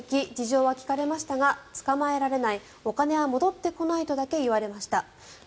警察署に行き事情は聞かれましたが捕まえられないお金は戻ってこないとだけ言われました。